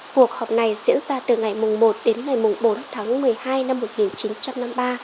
cuộc họp này diễn ra từ ngày một đến ngày bốn tháng một mươi hai năm một nghìn chín trăm năm mươi ba